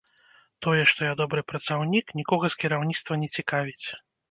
Тое, што я добры працаўнік, нікога з кіраўніцтва не цікавіць.